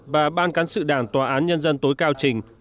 và ban cán sự đảng tòa án nhân dân tối cao trình